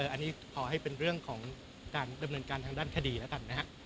อันนี้ขอให้เป็นเรื่องของการดำเนินการทางด้านคดีแล้วกันนะฮะ